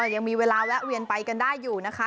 ยังมีเวลาแวะเวียนไปกันได้อยู่นะคะ